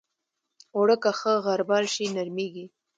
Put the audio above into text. اوړه که ښه غربال شي، نرمېږي